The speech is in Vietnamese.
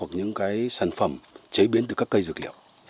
hoặc những cái sản phẩm chế biến từ các cây dược liệu